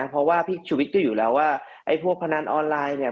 เพราะว่าพี่ชุวิตก็อยู่แล้วว่าไอ้พวกพนันออนไลน์เนี่ย